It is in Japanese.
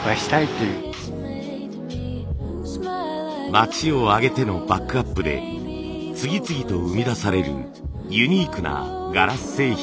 町を挙げてのバックアップで次々と生み出されるユニークなガラス製品。